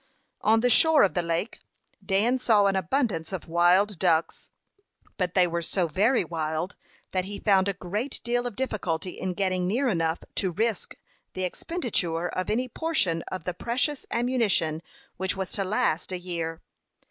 On the shore of the lake Dan saw an abundance of wild ducks; but they were so very wild that he found a great deal of difficulty in getting near enough to risk the expenditure of any portion of the precious ammunition which was to last a year.